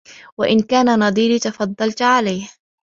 وَإِنْ كَانَ نَظِيرِي تَفَضَّلْت عَلَيْهِ